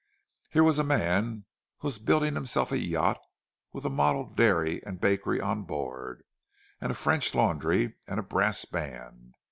Here was a man who was building himself a yacht with a model dairy and bakery on board, and a French laundry and a brass band.